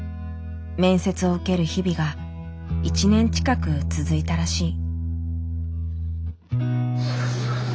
面接を受ける日々が１年近く続いたらしい。